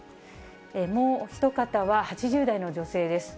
もうお一方は８０代の女性です。